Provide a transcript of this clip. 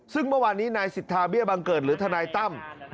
ซึ่งเมื่อวานนี้นายสิทธาเบี้ยบังเกิดหรือทนายตั้ม